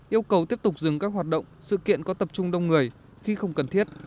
yêu cầu tiếp tục dừng các hoạt động sự kiện có tập trung đông người khi không cần thiết